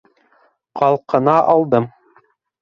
Ҡалҡына алдым.